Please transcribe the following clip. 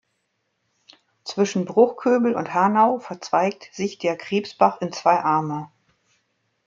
Zwischen Bruchköbel und Hanau verzweigt sich der Krebsbach in zwei Arme.